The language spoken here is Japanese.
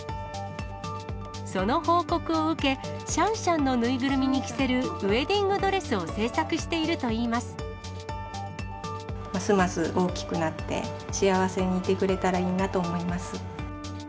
その報告を受け、シャンシャンの縫いぐるみに着せるウエディングドレスを製作してますます大きくなって、幸せでいてくれたらいいなと思います。